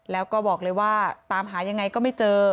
แล้วก็บอกเลยว่าตามหายังไงก็ไม่เจอ